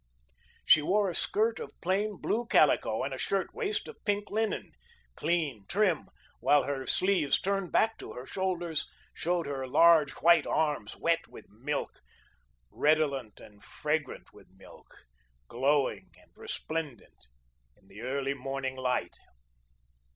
She wore a skirt of plain blue calico and a shirtwaist of pink linen, clean, trim; while her sleeves turned back to her shoulders, showed her large, white arms, wet with milk, redolent and fragrant with milk, glowing and resplendent in the early morning light.